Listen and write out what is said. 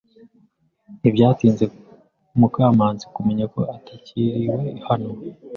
Ntibyatinze Mukamanzi kumenya ko atakiriwe hano.